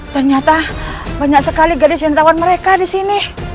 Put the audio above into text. ternyata banyak sekali gadis yang tawan mereka di sini